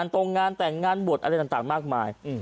ตรงงานแต่งงานบวชอะไรต่างมากมาย